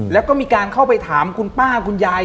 แล้วก็มีการเข้าไปถามคุณป้าคุณยาย